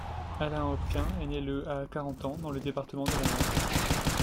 Alain Hopquin est ne le à Carentan dans le département de la Manche.